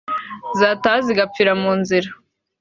zataha zigapfira mu nzira